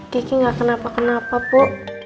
kiki gak kenapa kenapa bu